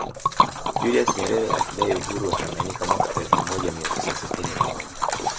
Julius Nyerere akidai uhuru wa Tanganyika mwaka elfu moja mia tisa sitini na moja